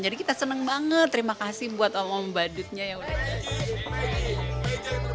jadi kita senang banget terima kasih buat om om badutnya yaudah